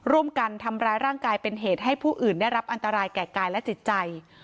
ร่วมกันทำร้ายร่างกายเป็นเหตุให้ผู้อื่นได้รับอันตรายแก่กายและจิตใจ